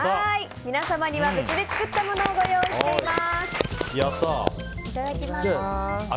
皆様には別で作ったものをご用意しています。